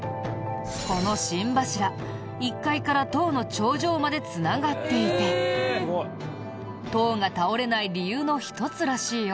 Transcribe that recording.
この心柱１階から塔の頂上まで繋がっていて塔が倒れない理由の一つらしいよ。